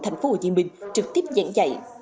tp hcm trực tiếp giảng dạy